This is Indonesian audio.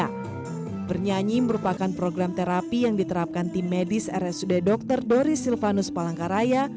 ya bernyanyi merupakan program terapi yang diterapkan tim medis rsud dr doris silvanus palangkaraya